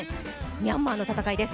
ミャンマーの戦いです。